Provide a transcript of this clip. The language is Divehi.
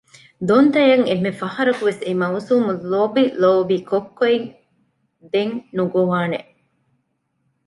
ދޮންތައަށް އެންމެ ފަހަރަކުވެސް އެ މައުސޫމު ލޮބިލޯބި ކޮއްކޮއެއް ދެން ނުގޮވާނެ